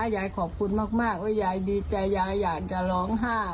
ยายขอบคุณมากว่ายายดีใจยายอยากจะร้องไห้